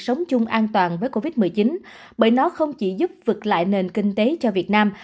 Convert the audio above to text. sống chung an toàn với covid một mươi chín bởi nó không chỉ giúp vực lại nền kinh tế cho việt nam